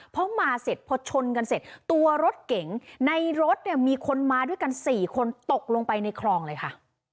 เพราะมาเสร็จพอชนกันเสร็จตัวรถเก๋งในรถเนี่ยมีคนมาด้วยกัน๔คนตกลงไปในคลองเลยค่ะ